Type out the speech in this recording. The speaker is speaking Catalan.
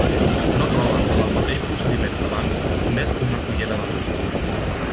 No troben, amb el mateix procediment que abans, més que una cullera de fusta.